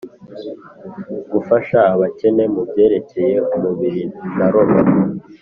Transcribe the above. Gufasha abakene mu byerekeye umubiri na roho